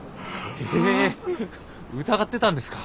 え疑ってたんですか？